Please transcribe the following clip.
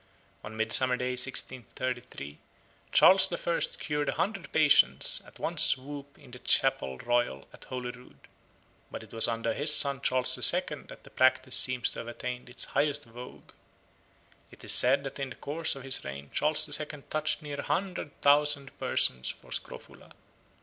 On Midsummer Day 1633, Charles the First cured a hundred patients at one swoop in the chapel royal at Holyrood. But it was under his son Charles the Second that the practice seems to have attained its highest vogue. It is said that in the course of his reign Charles the Second touched near a hundred thousand persons for scrofula.